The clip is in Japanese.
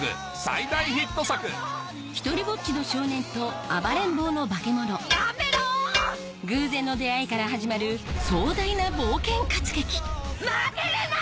独りぼっちの少年と暴れん坊のバケモノ偶然の出会いから始まる壮大な冒険活劇負けるな‼